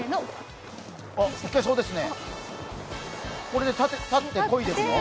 これで立ってこいでいくの？